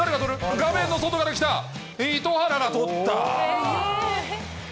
画面の外から来た糸原が捕った。